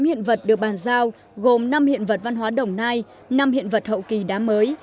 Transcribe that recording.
một mươi tám hiện vật được bàn giao gồm năm hiện vật văn hóa đồng nai năm hiện vật hậu kỳ đá mới